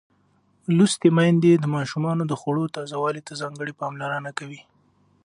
لوستې میندې د ماشومانو د خوړو تازه والي ته ځانګړې پاملرنه کوي.